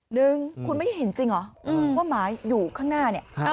หนึ่งคุณไม่เห็นจริงเหรอว่าหมาอยู่ข้างหน้าเนี่ย